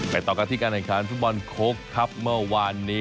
ต่อกันที่การแข่งขันฟุตบอลโค้กครับเมื่อวานนี้